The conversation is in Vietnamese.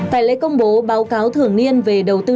tại lễ công bố báo cáo thường niên về đầu tư